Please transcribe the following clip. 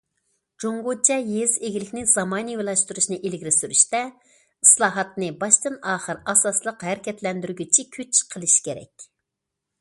جۇڭگوچە يېزا ئىگىلىكىنى زامانىۋىلاشتۇرۇشنى ئىلگىرى سۈرۈشتە، ئىسلاھاتنى باشتىن ئاخىر ئاساسلىق ھەرىكەتلەندۈرگۈچى كۈچ قىلىش كېرەك.